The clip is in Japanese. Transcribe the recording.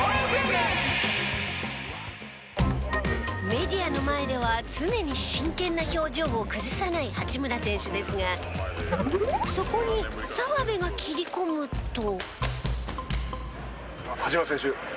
メディアの前では常に真剣な表情を崩さない八村選手ですがそこに澤部が切り込むと。